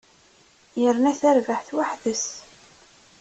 Yerna tarbaεt weḥd-s.